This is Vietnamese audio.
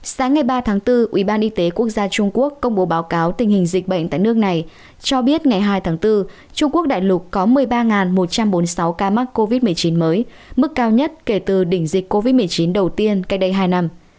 sáng ngày ba tháng bốn ubnd y tế quốc gia trung quốc công bố báo cáo tình hình dịch bệnh tại nước này cho biết ngày hai tháng bốn trung quốc đại lục có một mươi ba một trăm bốn mươi sáu ca mắc covid một mươi chín mới mức cao nhất kể từ đỉnh dịch covid một mươi chín đầu tiên cách đây hai năm